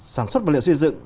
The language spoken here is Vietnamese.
sản xuất vật liệu xây dựng